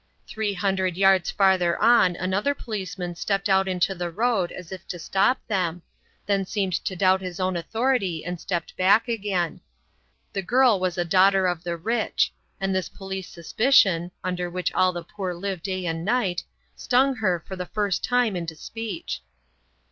Three hundred yards farther on another policeman stepped out into the road as if to stop them, then seemed to doubt his own authority and stepped back again. The girl was a daughter of the rich; and this police suspicion (under which all the poor live day and night) stung her for the first time into speech.